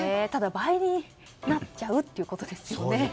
ただ、倍になっちゃうということですよね。